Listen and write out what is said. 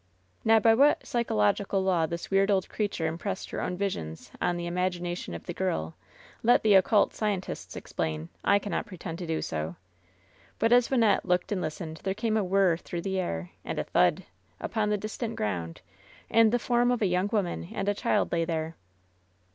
N'ow by what psychological law this weird old crea ture impressed her own visions on the imagination of the girl, let the occult scientists explain. I cannot pre tend to do so. But as Wynnette looked and listened, there came a whir r r r through the air, and a thud d d upon the dis tant ground, and the form of a young woman and a child lay there.